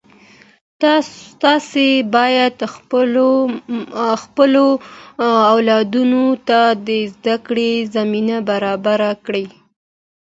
تاسې باید خپلو اولادونو ته د زده کړې زمینه برابره کړئ.